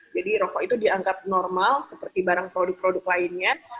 jadi rokok itu diangkat normal seperti barang produk produk lainnya